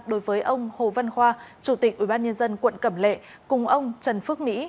đối với ông hồ văn khoa chủ tịch ubnd quận cẩm lệ cùng ông trần phước mỹ